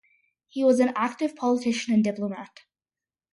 He was an active politician and diplomat.